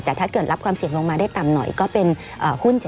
แต่ถ้าเกิดรับความเสี่ยงลงมาได้ต่ำหน่อยก็เป็นหุ้น